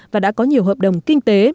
và đã có nhiều hợp đồng kinh tế